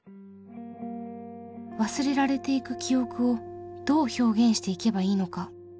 忘れられていく記憶をどう表現していけばいいのか？